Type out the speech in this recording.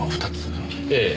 ええ。